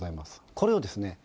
これをですね